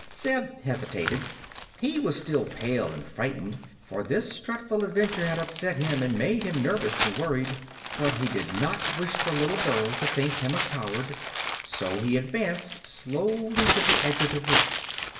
Zeb hesitated. He was still pale and frightened, for this dreadful adventure had upset him and made him nervous and worried. But he did not wish the little girl to think him a coward, so he advanced slowly to the edge of the roof.